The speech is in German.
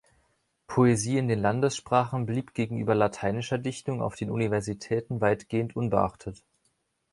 Poesie in den Landessprachen blieb gegenüber lateinischer Dichtung auf den Universitäten weitgehend unbeachtet.